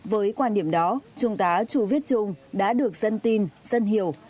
với quan điểm đó trung tá chu viết trung đã được dân tin dân hiểu